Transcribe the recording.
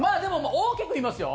大きく言いますよ。